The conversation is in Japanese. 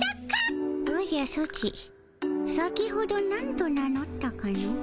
おじゃソチ先ほどなんと名のったかの？